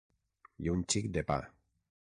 I un xic de pa.